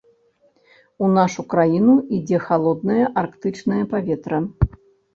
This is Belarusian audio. У нашу краіну ідзе халоднае арктычнае паветра.